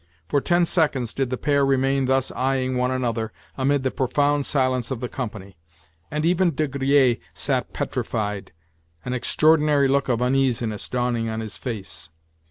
For ten seconds did the pair remain thus eyeing one another, amid the profound silence of the company; and even De Griers sat petrified—an extraordinary look of uneasiness dawning on his face.